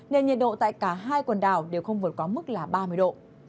nên nhiệt độ tại cả hai quần đảo đều không vượt quá mức là ba mươi độ